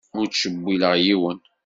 Ur ttcewwileɣ yiwen.